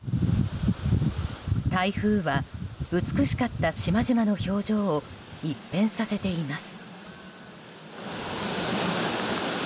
台風は美しかった島々の表情を一変させています。